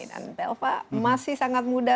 dan belva masih sangat muda